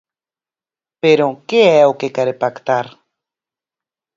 Pero ¿que é o que quere pactar?